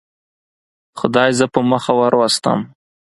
خدای زه په مخه وروستم.